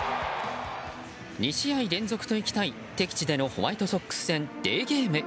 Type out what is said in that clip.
２試合連続といきたい敵地でのホワイトソックス戦デーゲーム。